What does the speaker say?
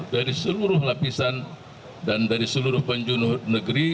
dari seluruh lapisan dan dari seluruh penjunuh negeri